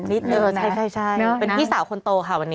ใช่ฉันเป็นพี่สาวคนโตค่ะวันนี้